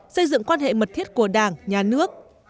xây dựng quan hệ mật thiết của đảng nhà nước